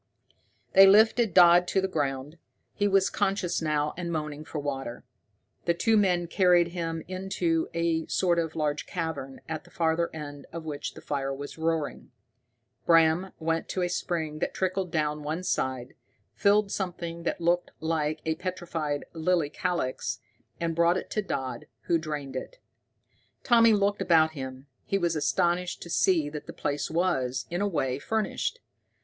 They lifted Dodd to the ground. He was conscious now, and moaning for water. The two men carried him into a sort of large cavern, at the farther end of which the fire was roaring. Bram went to a spring that trickled down one side, filled something that looked like a petrified lily calyx, and brought it to Dodd, who drained it. Tommy looked about him. He was astonished to see that the place was, in a way, furnished.